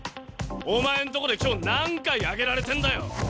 お前んとこで今日何回上げられてんだよ。